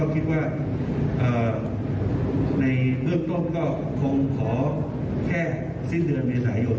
แล้วก็คิดว่าในเรื่องต้นก็คงขอช่วยแค่สิ้นเดือนเวลาไหยงด